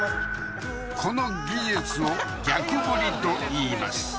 この技術を逆ぶりと言います